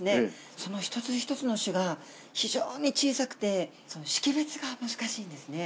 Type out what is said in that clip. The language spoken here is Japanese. その一つ一つの種が、非常に小さくて、識別が難しいんですね。